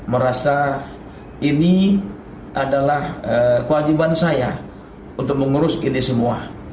merasa ini adalah kewajiban saya untuk mengurus ini semua